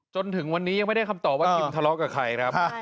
จนถึงวันนี้ยังไม่ได้คำตอบว่าทิมทะเลาะกับใครครับ